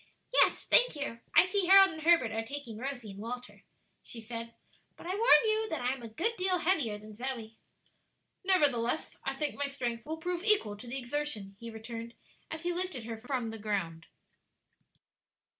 "Yes, thank you; I see Harold and Herbert are taking Rosie and Walter," she said. "But I warn you that I am a good deal heavier than Zoe." "Nevertheless, I think my strength will prove equal to the exertion," he returned, as he lifted her from the ground.